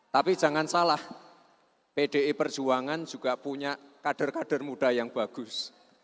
tapi jangan salah pdi perjuangan juga punya kader kader muda yang bagus